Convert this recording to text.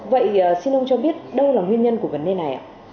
vậy xin ông cho biết đâu là nguyên nhân của vấn đề này ạ